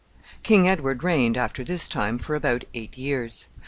King Edward reigned, after this time, for about eight years.